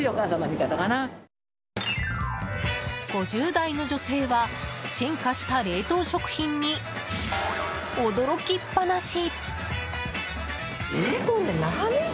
５０代の女性は、進化した冷凍食品に驚きっぱなし。